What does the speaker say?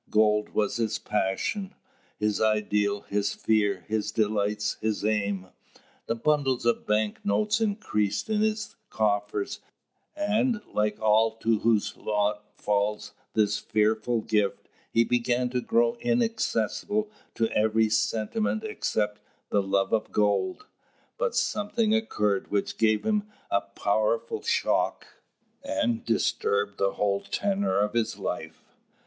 Gold was his passion, his ideal, his fear, his delight, his aim. The bundles of bank notes increased in his coffers; and, like all to whose lot falls this fearful gift, he began to grow inaccessible to every sentiment except the love of gold. But something occurred which gave him a powerful shock, and disturbed the whole tenor of his life.